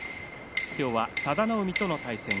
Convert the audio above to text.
今日は佐田の海との対戦。